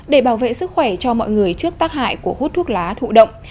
để bảo vệ sức khỏe cho mọi người trước tác hại của hút thuốc lá thụ động